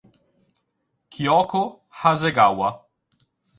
Kyōko Hasegawa